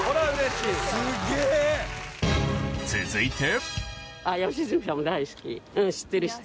続いて。